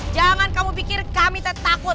jangan kamu pikir kami teh takut